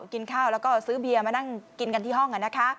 กินข้าวแล้วก็ซื้อเบียร์มานั่งกินกันที่ห้อง